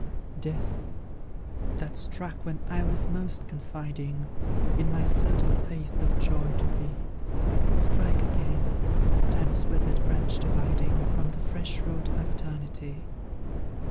Death! that struck when I was most confiding. In my certain faith of joy to be Strike again, Time's withered branch dividing From the fresh root of Eternity!